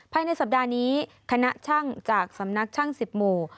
ภายในสัปดาห์นี้คณะช่างจากสำนักช่าง๑๐หมู่